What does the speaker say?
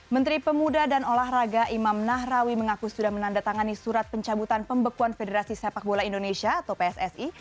menteri pemuda dan olahraga imam nahrawi mengaku sudah menandatangani surat pencabutan pembekuan federasi sepak bola indonesia atau pssi